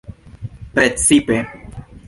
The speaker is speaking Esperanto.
precipe